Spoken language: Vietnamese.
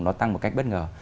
nó tăng một cách bất ngờ